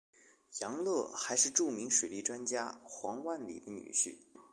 杨乐还是著名水利专家黄万里的女婿。